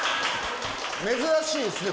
珍しいですね